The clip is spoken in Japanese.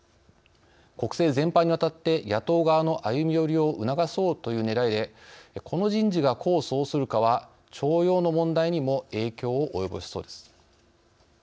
国政全般にわたって野党側の歩み寄りを促そうというねらいでこの人事が功を奏するかは徴用の問題にも影響を及ぼしそうです。